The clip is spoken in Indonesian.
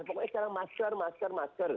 pokoknya sekarang masker masker masker